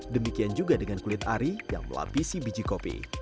demikian juga dengan kulit ari yang melapisi biji kopi